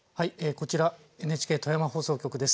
こちらＮＨＫ富山放送局です。